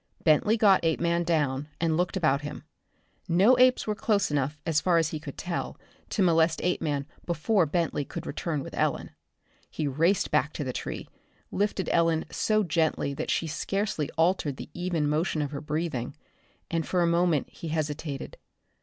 Bentley got Apeman down, and looked about him. No apes were close enough, as far as he could tell, to molest Apeman before Bentley could return with Ellen. He raced back into the tree, lifted Ellen so gently that she scarcely altered the even motion of her breathing and for a moment he hesitated.